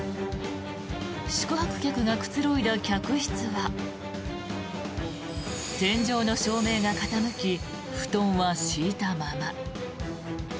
宿泊客がくつろいだ客室は天井の照明が傾き布団は敷いたまま。